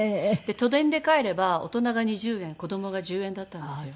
都電で帰れば大人が２０円子どもが１０円だったんですよ。